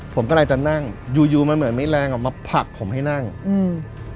ผมก็เลยจะนั่งอยู่มันเหมือนแม้แรงมาผักผมให้นั่งอืม